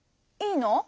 いいの？